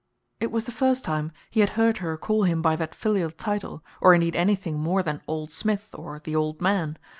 It was the first time he had heard her call him by that filial title, or indeed anything more than "Old Smith" or the "Old Man."